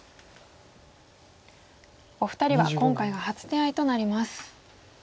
お二人は今回が初手合となります。